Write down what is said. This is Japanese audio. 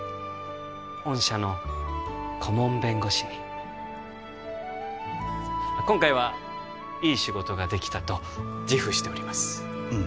御社の顧問弁護士に今回はいい仕事ができたと自負しております